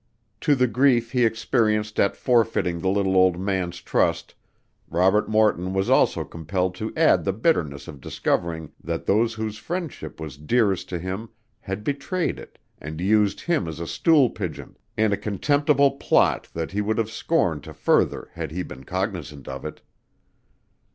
To the grief he experienced at forfeiting the little old man's trust, Robert Morton was also compelled to add the bitterness of discovering that those whose friendship was dearest to him had betrayed it and used him as a stool pigeon in a contemptible plot that he would have scorned to further had he been cognizant of it.